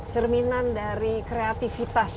cerminan dari kreatifitas